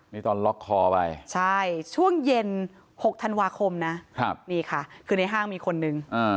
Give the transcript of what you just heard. นี่ตอนล็อกคอไปใช่ช่วงเย็น๖ธันวาคมนะนี่ค่ะคือในห้างมีคนนึง